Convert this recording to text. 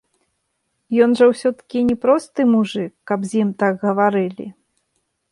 Ён жа ўсё-такі не просты мужык, каб з ім так гаварылі.